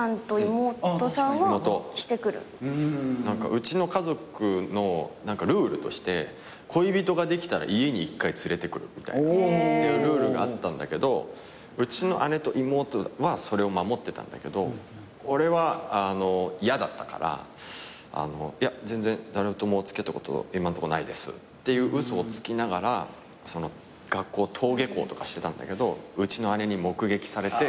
うちの家族のルールとして恋人ができたら家に一回連れてくるっていうルールがあったんだけどうちの姉と妹はそれを守ってたんだけど俺はやだったから「全然誰とも付き合ったこと今んとこないです」っていう嘘をつきながら登下校とかしてたんだけどうちの姉に目撃されて。